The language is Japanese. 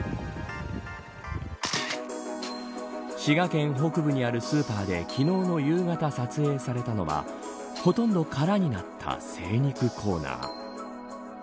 滋賀県北部にあるスーパーで昨日の夕方撮影されたのはほとんど空になった精肉コーナー。